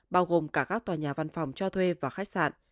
bao gồm cả các tòa nhà văn phòng cho thuê và khách sạn